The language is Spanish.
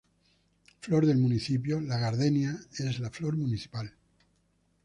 Flor del municipio: la gardenia es la flor municipal.